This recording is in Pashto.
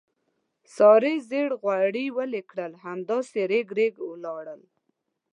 سارې زېړ غوړي ویلې کړل، همداسې رېګ رېګ ولاړل.